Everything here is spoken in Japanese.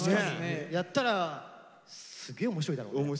やったらすげえ面白いだろうね。